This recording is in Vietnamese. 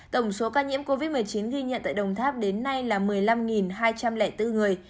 tổng số ca nhiễm covid một mươi chín ghi nhận tại đồng tháp đến nay là một mươi năm hai trăm linh bốn người